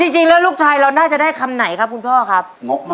จริงแล้วลูกชายเราน่าจะได้คำไหนครับคุณพ่อครับ